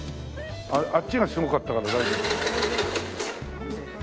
あっちがすごかったから。